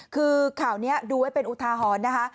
คือข่าวนี้ดูไว้เป็นอุทาหรณ์นะคะ